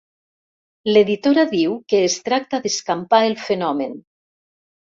L'editora diu que es tracta d'escampar el fenòmen.